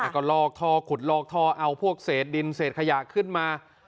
ก็ลอกท่อขุดลอกท่อเอาพวกเศษดินเศษขยะขึ้นมา